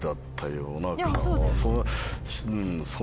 うん。